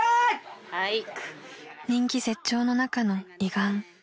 ［人気絶頂の中の胃がん］